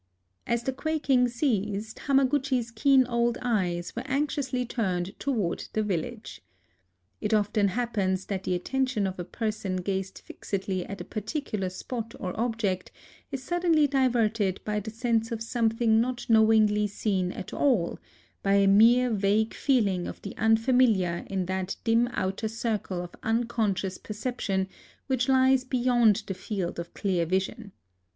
As the quaking ceased Hamaguchi's keen old eyes were anxiously turned toward the village. It often happens that the attention of a person gazing fixedly at a particular spot or object is suddenly diverted by the sense of something not knowingly seen at all, — by a mere vague feeling of the unfamiliar in that dim outer circle of unconscious perception which lies be yond the field of clear vision.